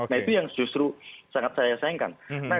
nah itu yang justru sangat saya sayangkan